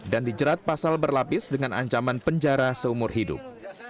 dan dijerat pasal berlapis dengan ancaman penjara seumur hidup